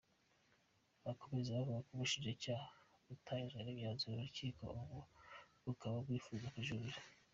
Akomeza avuga ko ubushinjacyaha butanyuzwe n’imyanzuro y’urukiko, ubu ngo bukaba bwifuza kujurira.